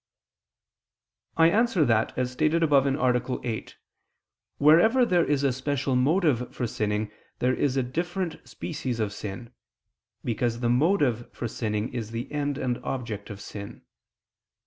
I answer that, As stated above (A. 8), wherever there is a special motive for sinning, there is a different species of sin, because the motive for sinning is the end and object of sin.